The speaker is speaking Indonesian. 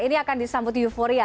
ini akan disambut euforia